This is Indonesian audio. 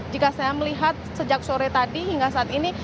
jika saya melihat sejak sore tadi hingga saat ini